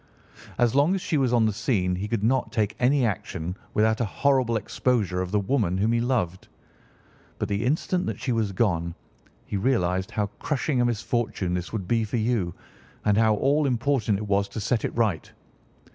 "As long as she was on the scene he could not take any action without a horrible exposure of the woman whom he loved. But the instant that she was gone he realised how crushing a misfortune this would be for you, and how all important it was to set it right.